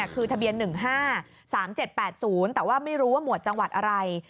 คือทะเบียน๑๕๓๗๘๐แต่ว่าไม่รู้ว่าหมวดจังหวัดอะไร